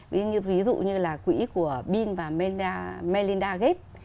ví dụ như là quỹ của bin và melinda gates